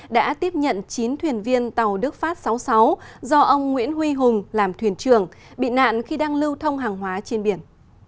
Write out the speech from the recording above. đã tiếp nhận chín thuyền viên tàu đức phát sáu mươi sáu do ông nguyễn huy hùng làm thuyền trưởng bị nạn khi đang lưu thông hàng hóa trên biển